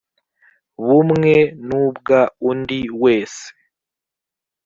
bumwe n ubw undi wese